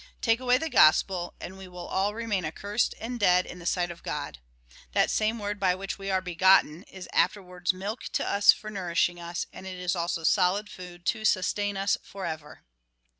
Take away the gospel, and we will all remain accursed and dead in the sight of God. That same word by which we are begotten is afterwards milk to us for nourishing us, and it is also solid food to sustain us for ever.